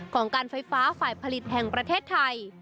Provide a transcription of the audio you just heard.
ของการไฟฟ้าฝ่ายผลิตแห่งประเทศไทย